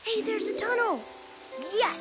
よし！